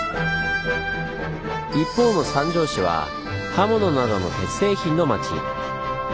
一方の三条市は刃物などの鉄製品の町。